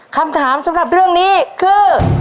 คำถามสำหรับเรื่องนี้คือ